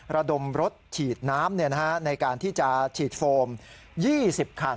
ระดมรถฉีดน้ำในการที่จะฉีดโฟม๒๐คัน